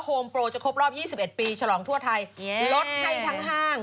โปรจะครบรอบ๒๑ปีฉลองทั่วไทยลดให้ทั้งห้าง